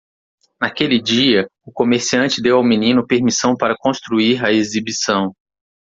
Naquele dia?, o comerciante deu ao menino permissão para construir a exibição.